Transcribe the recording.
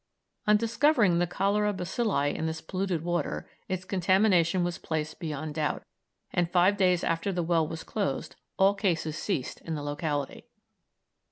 On discovering the cholera bacilli in this polluted water, its contamination was placed beyond doubt, and five days after the well was closed all cases ceased in the locality.